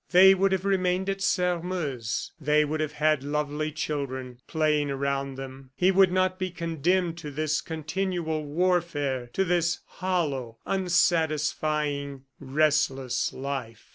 They would have remained at Sairmeuse. They would have had lovely children playing around them! He would not be condemned to this continual warfare to this hollow, unsatisfying, restless life.